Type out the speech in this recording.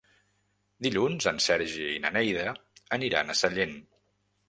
Dilluns en Sergi i na Neida aniran a Sallent.